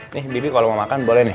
nih bibi kalau mau makan boleh nih